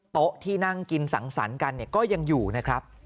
โต๊ะที่นั่งกินสังสรรค์กันก็ยังอยู่นะครับ